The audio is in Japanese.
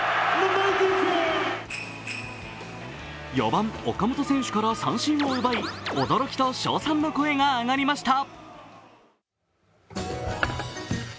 ４番・岡本選手から三振を奪い、驚きと称賛の声が上がりました。